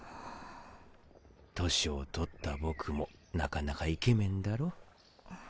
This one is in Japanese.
年を取った僕もなかなかイケメンだろ？